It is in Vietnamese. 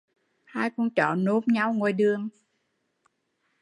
Hai con chó nôm nhau ngoài đường